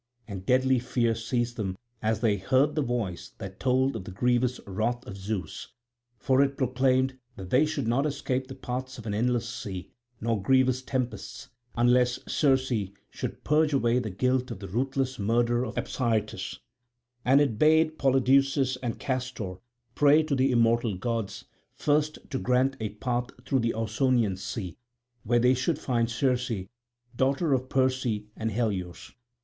And deadly fear seized them as they heard the voice that told of the grievous wrath of Zeus. For it proclaimed that they should not escape the paths of an endless sea nor grievous tempests, unless Circe should purge away the guilt of the ruthless murder of Apsyrtus; and it bade Polydeuces and Castor pray to the immortal gods first to grant a path through the Ausonian sea where they should find Circe, daughter of Perse and Helios.